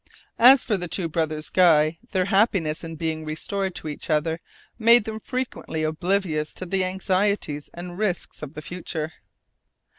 As for the two brothers Guy, their happiness in being restored to each other made them frequently oblivious of the anxieties and risks of the future.